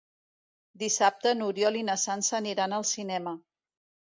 Dissabte n'Oriol i na Sança aniran al cinema.